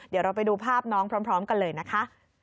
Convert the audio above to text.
เดี๋ยวเราไปดูภาพน้องพร้อมกันเลยนะคะ